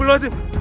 mas dua puluh asib